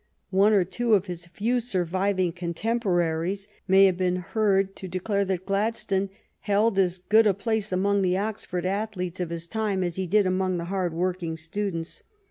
One or two of his few ETON AND OXFORD 23 surviving contemporaries may have been heard to declare that Gladstone held as good a place among the Oxford athletes of his time as he did among the hard v^orking students.